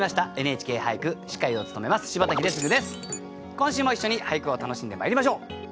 今週も一緒に俳句を楽しんでまいりましょう。